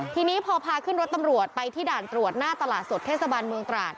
ทีนี้พอพาขึ้นรถตำรวจไปที่ด่านตรวจหน้าตลาดสดเทศบาลเมืองตราด